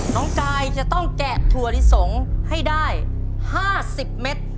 น้องกายจะต้องแกะถั่วลิสงให้ได้๕๐เมตร